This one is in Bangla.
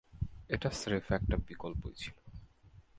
এটা স্রেফ একটা বিকল্পই ছিল।